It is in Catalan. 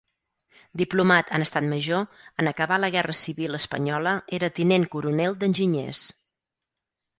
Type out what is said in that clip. Diplomat en estat major, en acabar la guerra civil espanyola era tinent coronel d'enginyers.